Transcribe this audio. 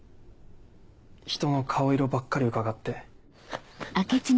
ひとの顔色ばっかりうかがって。